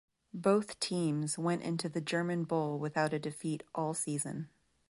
Both teams went into the German Bowl without a defeat all season.